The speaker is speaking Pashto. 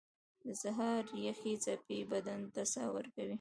• د سهار یخې څپې بدن ته ساه ورکوي.